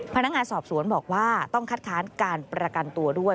พนักงานสอบสวนบอกว่าต้องคัดค้านการประกันตัวด้วย